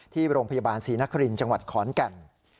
ที่โรงพยาบาลศรีนครินทร์จังหวัดขอนแก่น